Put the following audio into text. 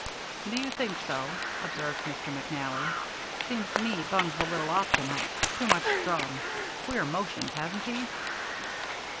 "Do you think so?" observed Mr. McNally. "Seems to me Bunge's a little off to night. Too much drum. Queer motions, hasn't he?"